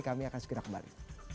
kami akan segera kembali